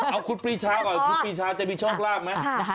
เอาคุณปีชาก่อนคุณปีชาจะมีโชคลาภไหม